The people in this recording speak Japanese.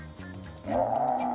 ああ。